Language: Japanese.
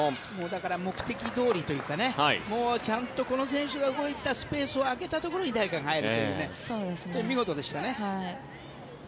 だから目的どおりというかちゃんとこの選手が動いた空けたスペースに誰かが入るという見事でしたね。